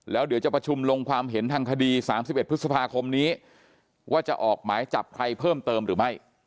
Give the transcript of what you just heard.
แล้วเดี๋ยวจะประชุมลงความเห็นทางคดี๓๑พฤษภาคมนี้ว่าจะออกหมายจับใครเพิ่มเติมหรือไม่